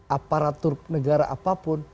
aparatur negara apapun